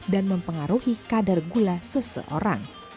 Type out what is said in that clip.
dan mempengaruhi kadar gula seseorang